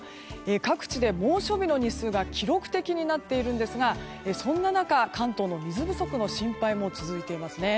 各地で猛暑日の日数が記録的になっているんですがそんな中、関東の水不足の心配も続いていますね。